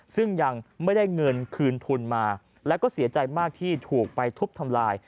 ซึ่งยังไม่ได้เงินคืนทุนมาแล้วก็เสียใจมากที่ถูกไปทุบทำลาย